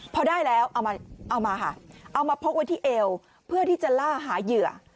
พอได้แล้วเอามาค่ะเอามาพกไว้ที่เอวเพื่อที่จะล่าหาเหยื่อ